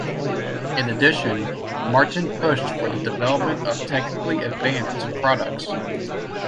In addition, Martin pushed for the development of technically advanced products.